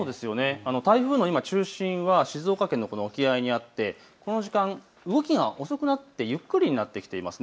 台風の中心は静岡県の沖合にあってこの時間動きが遅くなってゆっくりになってきています。